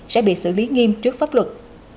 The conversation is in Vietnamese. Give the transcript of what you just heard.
sẽ bị xử lý nghiêm trước pháp luật